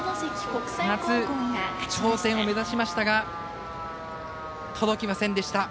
夏、頂点を目指しましたが届きませんでした。